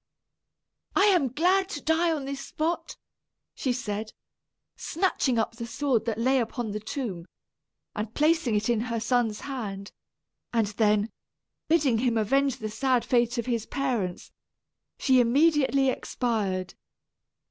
"I am glad to die on this spot," she said, snatching up the sword that lay upon the tomb and placing it in her son's hand; then, bidding him avenge the sad fate of his parents, she immediately expired.